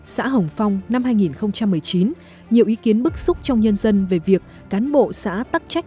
xã hồng phong năm hai nghìn một mươi chín nhiều ý kiến bức xúc trong nhân dân về việc cán bộ xã tắc trách